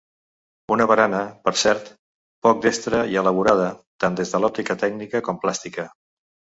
Una barana, per cert, poc destre i elaborada, tant des de l'òptica tècnica com plàstica.